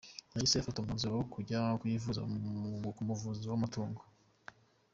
Yahise afata umwanzuro wo kujya kuyivuza ku muvuzi w’ amatungo.